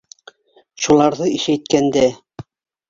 Шуларҙы ишәйткәндә!